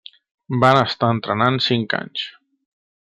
Van estar entrenant cinc anys.